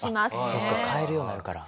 そっか買えるようになるから。